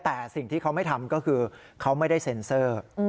แต่สิ่งที่เขาไม่ทำก็คือเขาไม่ได้เซ็นเซอร์